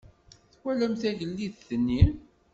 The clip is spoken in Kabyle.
Twalamt tagellidt-nni?